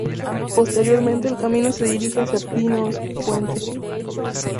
Posteriormente el camino se dirige hacia Pinos Puente.